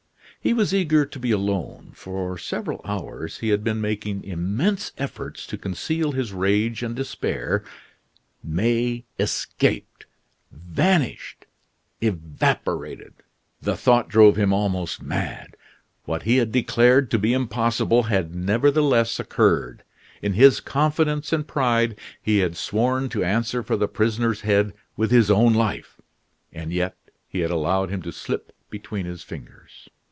He was eager to be alone. For several hours he had been making immense efforts to conceal his rage and despair. May escaped! vanished! evaporated! The thought drove him almost mad. What he had declared to be impossible had nevertheless occurred. In his confidence and pride, he had sworn to answer for the prisoner's head with his own life; and yet he had allowed him to slip between his fingers.